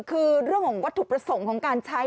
คือเรื่องของวัตถุประสงค์ของการใช้